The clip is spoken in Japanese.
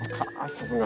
さすが。